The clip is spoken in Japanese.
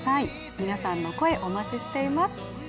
皆さんの声、お待ちしています。